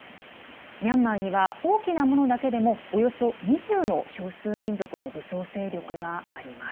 ミャンマーには大きなものだけでもおよそ２０の少数民族の武装勢力があります。